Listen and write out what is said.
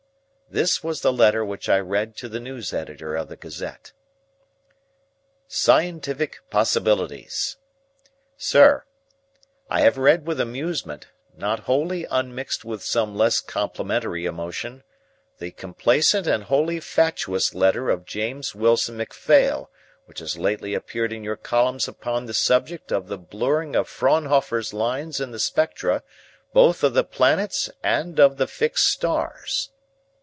This was the letter which I read to the news editor of the Gazette: "SCIENTIFIC POSSIBILITIES" "Sir, I have read with amusement, not wholly unmixed with some less complimentary emotion, the complacent and wholly fatuous letter of James Wilson MacPhail which has lately appeared in your columns upon the subject of the blurring of Fraunhofer's lines in the spectra both of the planets and of the fixed stars.